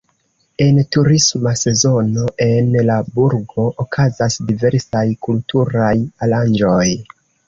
En turisma sezono en la burgo okazas diversaj kulturaj aranĝoj.